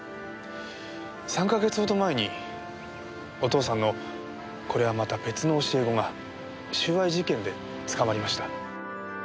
３か月程前にお父さんのこれはまた別の教え子が収賄事件で捕まりました。